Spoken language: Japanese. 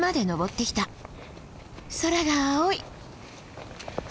空が青い！